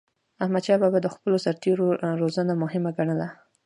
احمدشاه بابا د خپلو سرتېرو روزنه مهمه ګڼله.